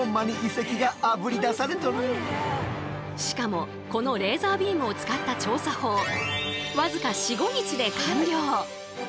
しかもこのレーザービームを使った調査法